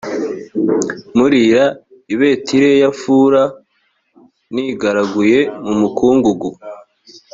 murira i betileyafura nigaraguye mu mukungugu